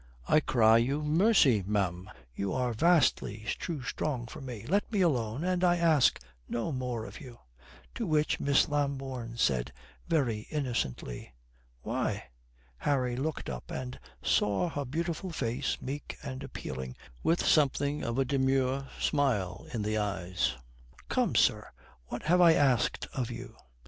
"I cry you mercy, ma'am. You are vastly too strong for me. Let me alone and I ask no more of you." To which Miss Lambourne said, very innocently, "Why?" Harry looked up and saw her beautiful face meek and appealing, with something of a demure smile in the eyes. "Come, sir, what have I asked of you?